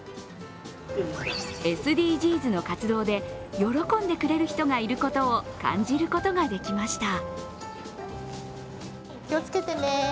ＳＤＧｓの活動で、喜んでくれる人がいることを感じることができました。